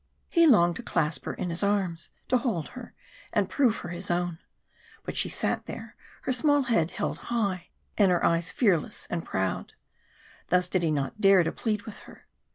He longed to clasp her in his arms, to hold her, and prove her his own. But she sat there, her small head held high, and her eyes fearless and proud thus he did not dare to plead with her.